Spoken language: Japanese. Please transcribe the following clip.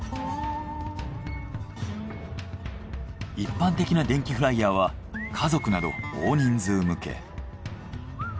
一般的な電気フライヤーは家族など大人数向け。